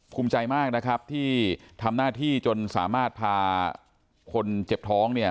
ภูมิใจมากนะครับที่ทำหน้าที่จนสามารถพาคนเจ็บท้องเนี่ย